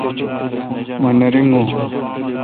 مہ نہ رنگو۔